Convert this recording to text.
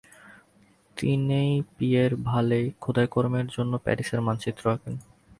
তিনি পিয়ের ভালে-র খোদাইকর্মের জন্য প্যারিসের মানচিত্র আঁকেন।